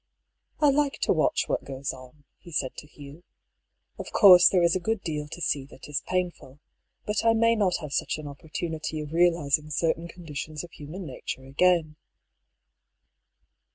" I like to watch what goes on," he said to Hugh. " Of course there is a good deal to see that is painful. But I may not have such an opportunity of realising certain conditions of human nature again."